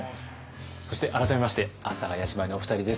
そして改めまして阿佐ヶ谷姉妹のお二人です。